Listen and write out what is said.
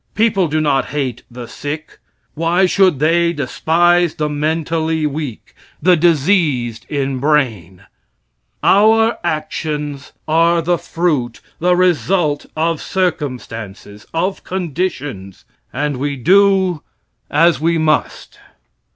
People do not hate the sick. Why should they despise the mentally weak the diseased in brain? Our actions are the fruit, the result, of circumstances of conditions and we do as we must.